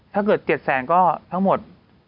ถ้าเกิด๗แสนก็ทั้งหมด